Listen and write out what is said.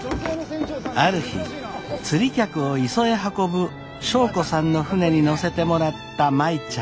ある日釣り客を磯へ運ぶ祥子さんの船に乗せてもらった舞ちゃん。